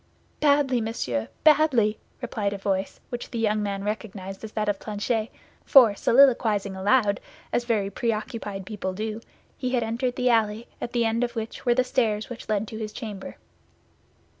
"Badly, monsieur, badly!" replied a voice which the young man recognized as that of Planchet; for, soliloquizing aloud, as very preoccupied people do, he had entered the alley, at the end of which were the stairs which led to his chamber.